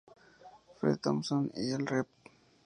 Fred Thompson y el Rep.